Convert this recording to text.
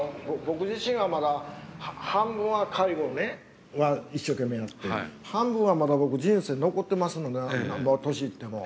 僕自身はまだ半分は介護ね一生懸命やって半分はまだ僕人生残ってますのでなんぼ年いっても。